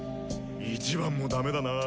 １番もダメだな。